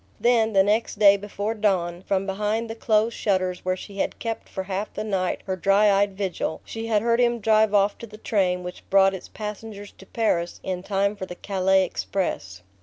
Then, the next day before dawn, from behind the closed shutters where she had kept for half the night her dry eyed vigil, she had heard him drive off to the train which brought its passengers to Paris in time for the Calais express.